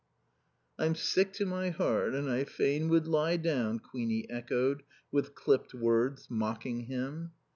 '" "'I'm sick to my heart and I fain would lie down,'" Queenie echoed, with clipped words, mocking him.